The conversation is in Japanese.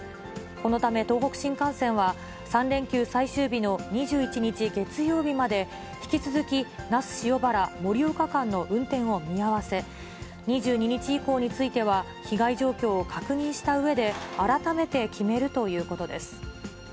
このため、東北新幹線は３連休最終日の２１日月曜日まで、引き続き那須塩原・盛岡間の運転を見合わせ、２２日以降については、被害状況を確認したうえで、改めて決めるということです。